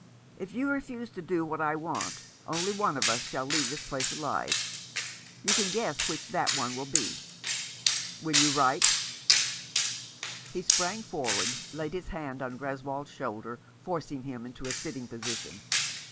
If you refuse to do what I want, only one of us shall leave this place alive. You can guess which that one will be. Will you write ?" He sprang forward, laid his hand on Greswold's shoulder, forcing him into a sitting position.